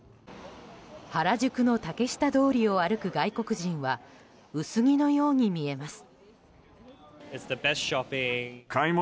原宿の竹下通りを歩く外国人は薄着のように見えます。